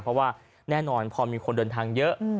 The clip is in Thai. เพราะว่าแน่นอนพอมีคนเดินทางเยอะ